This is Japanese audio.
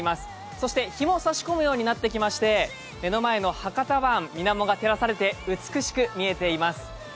そして日も差し込むようになってきまして目の前の博多湾、みなもが照らされて美しく見えています。